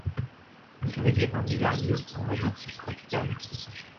Il réside en divers lieux en région subtropicale.